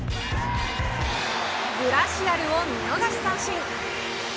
グラシアルを見逃し三振。